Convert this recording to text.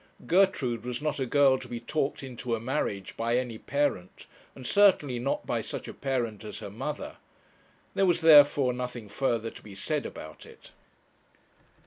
Gertrude was not a girl to be talked into a marriage by any parent, and certainly not by such a parent as her mother. There was, therefore, nothing further to be said about it.